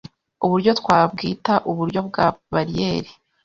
uburyo twabwita uburyo bwa bariyeri,